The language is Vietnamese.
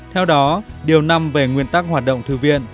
theo đó điều năm về nguyên tắc hoạt động thư viện